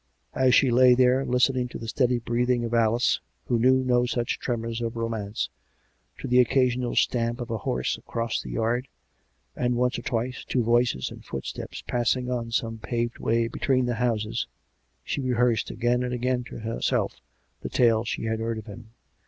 As she lay there, listening to the steady breathing of Alice, who knew no such tremors of romance, to the occasional stamp of a horse across the yard, and, once or twice, to voices and footsteps passing on some paved way between the houses, she rehearsed again and again to herself the tales she had heard of him.